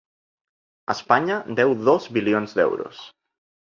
Espanya deu dos bilions d’euros.